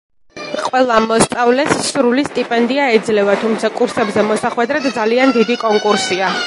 ყველა მოსწავლეს სრული სტიპენდია ეძლევა, თუმცა კურსებზე მოსახვედრად ძალიან დიდი კონკურსია.